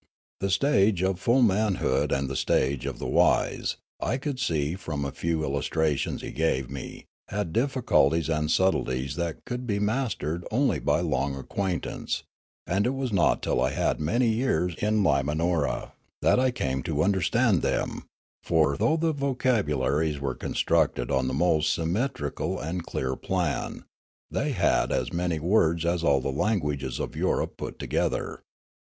The stage of full manhood and the stage of the wise, I could see from a few illustrations he gave me, had difficulties and subtleties that could be mastered only by long acquaintance ; and it was not till I had been many years in Limauora that I came to under stand them; for, though the vocabularies were con structed on the most symmetrical and clear plan, they had as many words as all the languages of Europe put together.